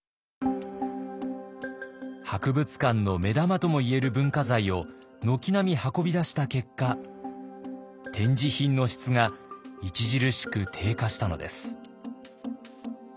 博物館の目玉とも言える文化財を軒並み運び出した結果展示品の質が著しく低下したのです。